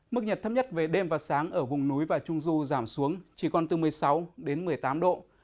mức nhiệt thấp nhất về đêm và sáng ở vùng núi và trung du giảm xuống chỉ còn từ một mươi sáu đến một mươi tám độ